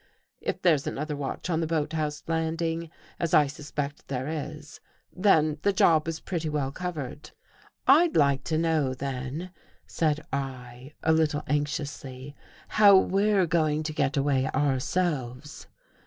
If there's another watch on : the boathouse landing, as I suspect there is, then the job is pretty well covered." " I'd like to know then," said I, a little anxiously, |" how we're going to get away ourselves."